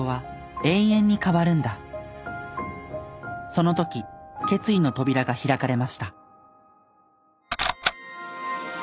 その時決意の扉が開かれました。